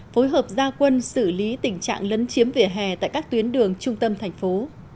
phối hợp gia quân xử lý tình trạng lấn chiếm vỉa hè tại các tuyến đường trung tâm thành phố